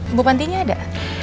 ibu pantinya ada